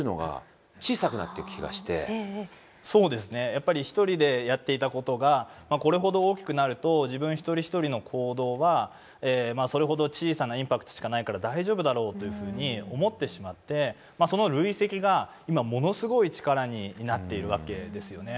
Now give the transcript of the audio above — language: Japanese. やっぱり一人でやっていたことがこれほど大きくなると自分一人一人の行動はそれほど小さなインパクトしかないから大丈夫だろうというふうに思ってしまってその累積が今ものすごい力になっているわけですよね。